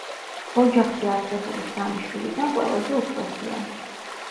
ოჯახში არსებული სამი შვილიდან ყველაზე უფროსია.